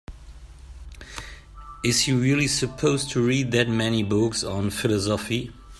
Is he really supposed to read that many books on philosophy?